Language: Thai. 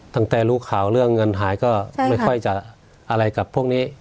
ตั้งแต่รู้ข่าวเรื่องเงินหายก็ไม่ค่อยจะอะไรกับพวกนี้